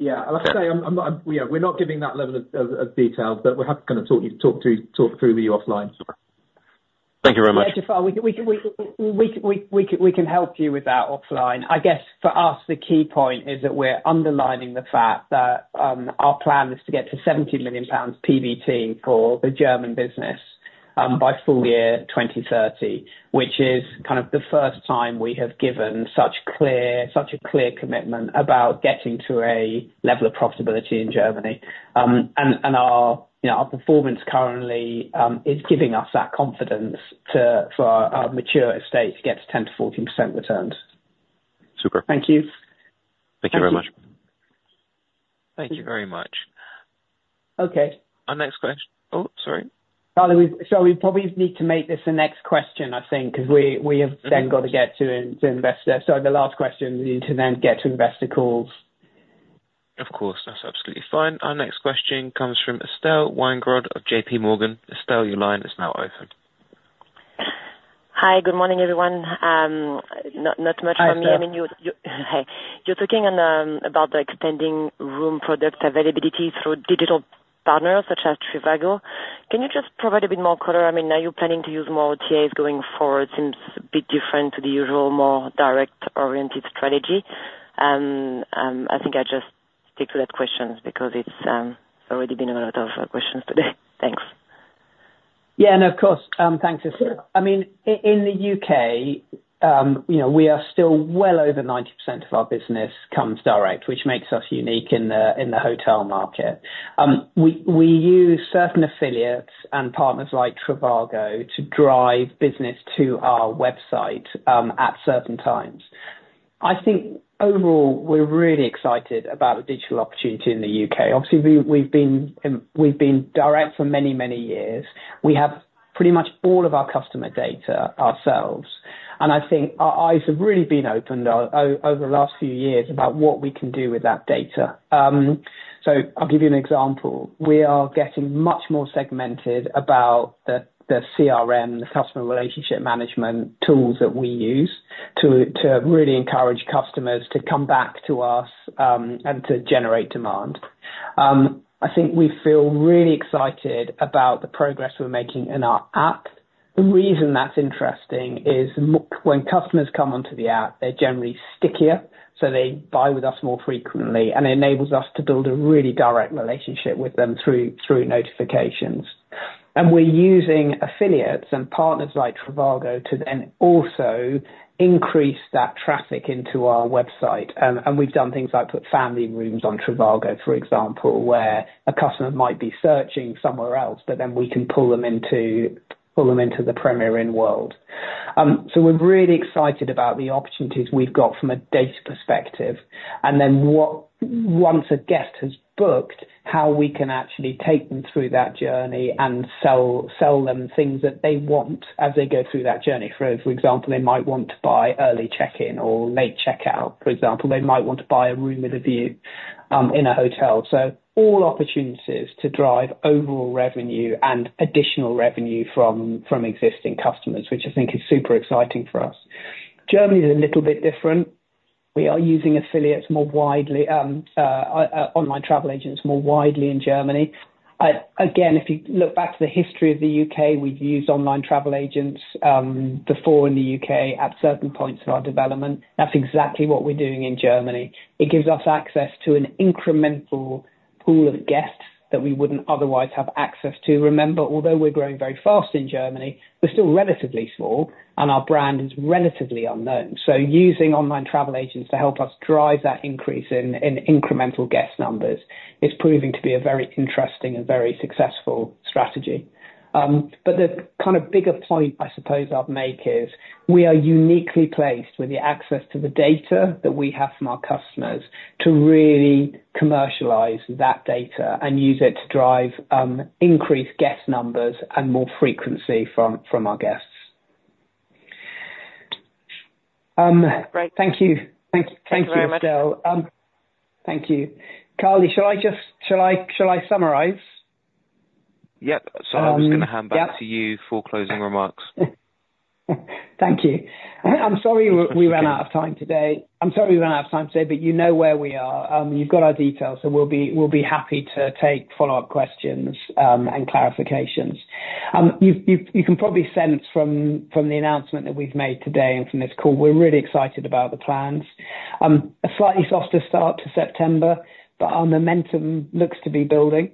Yeah. Like I say, we're not giving that level of detail, but we're happy to kind of talk through with you offline. Thank you very much. Jaafar, we can help you with that offline. I guess for us, the key point is that we're underlining the fact that our plan is to get to 70 million pounds PBT for the German business by full year 2030, which is kind of the first time we have given such a clear commitment about getting to a level of profitability in Germany, and our performance currently is giving us that confidence for our mature estate to get to 10%-14% returns. Super. Thank you. Thank you very much. Thank you very much. Okay. Our next question. Oh, sorry. Sorry, we probably need to make this the next question, I think, because we have then got to get to investor. Sorry, the last question is to then get to investor calls. Of course. That's absolutely fine. Our next question comes from Estelle Weingrod of J.P. Morgan. Estelle, your line is now open. Hi. Good morning, everyone. Not much from me. I mean, you're talking about the extending room product availability through digital partners such as Trivago. Can you just provide a bit more color? I mean, are you planning to use more OTAs going forward? Seems a bit different to the usual, more direct-oriented strategy. I think I'll just stick to that question because it's already been a lot of questions today. Thanks. Yeah, and of course, thanks, Estelle. I mean, in the U.K., we are still well over 90% of our business comes direct, which makes us unique in the hotel market. We use certain affiliates and partners like Trivago to drive business to our website at certain times. I think overall, we're really excited about the digital opportunity in the U.K. Obviously, we've been direct for many, many years. We have pretty much all of our customer data ourselves, and I think our eyes have really been opened over the last few years about what we can do with that data, so I'll give you an example. We are getting much more segmented about the CRM, the customer relationship management tools that we use to really encourage customers to come back to us and to generate demand. I think we feel really excited about the progress we're making in our app. The reason that's interesting is when customers come onto the app, they're generally stickier, so they buy with us more frequently, and it enables us to build a really direct relationship with them through notifications. And we're using affiliates and partners like Trivago to then also increase that traffic into our website. And we've done things like put family rooms on Trivago, for example, where a customer might be searching somewhere else, but then we can pull them into the Premier Inn world. So we're really excited about the opportunities we've got from a data perspective. And then once a guest has booked, how we can actually take them through that journey and sell them things that they want as they go through that journey. For example, they might want to buy early check-in or late check-out. For example, they might want to buy a room with a view in a hotel. So all opportunities to drive overall revenue and additional revenue from existing customers, which I think is super exciting for us. Germany is a little bit different. We are using affiliates more widely, online travel agents more widely in Germany. Again, if you look back to the history of the U.K., we've used online travel agents before in the U.K. at certain points of our development. That's exactly what we're doing in Germany. It gives us access to an incremental pool of guests that we wouldn't otherwise have access to. Remember, although we're growing very fast in Germany, we're still relatively small, and our brand is relatively unknown. So using online travel agents to help us drive that increase in incremental guest numbers is proving to be a very interesting and very successful strategy. But the kind of bigger point, I suppose, I'll make is we are uniquely placed with the access to the data that we have from our customers to really commercialize that data and use it to drive increased guest numbers and more frequency from our guests. Thank you. Thank you very much. Thank you, Estelle. Thank you. Carly, shall I summarize? Yeah. So I'm just going to hand back to you for closing remarks. Thank you. I'm sorry we ran out of time today, but you know where we are. You've got our details, so we'll be happy to take follow-up questions and clarifications. You can probably sense from the announcement that we've made today and from this call, we're really excited about the plans. A slightly softer start to September, but our momentum looks to be building,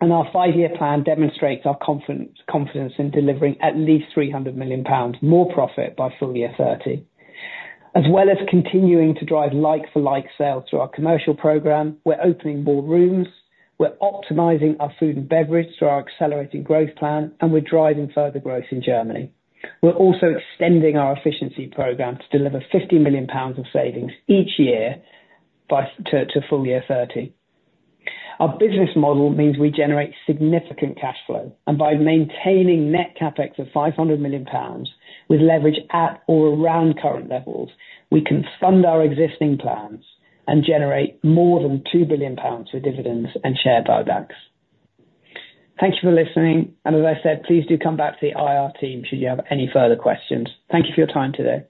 and our five-year plan demonstrates our confidence in delivering at least 300 million pounds more profit by full year 2030, as well as continuing to drive like-for-like sales through our commercial program. We're opening more rooms. We're optimizing our food and beverage through our Accelerating Growth Plan, and we're driving further growth in Germany. We're also extending our efficiency program to deliver 50 million pounds of savings each year to full year 2030. Our business model means we generate significant cash flow. And by maintaining Net Capex of 500 million pounds with leverage at or around current levels, we can fund our existing plans and generate more than 2 billion pounds for dividends and share buybacks. Thank you for listening. And as I said, please do come back to the IR team should you have any further questions. Thank you for your time today.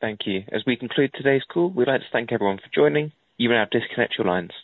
Thank you. As we conclude today's call, we'd like to thank everyone for joining. You may now disconnect your lines.